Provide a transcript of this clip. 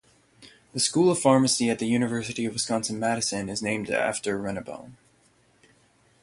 The school of pharmacy at the University of Wisconsin-Madison is named after Rennebohm.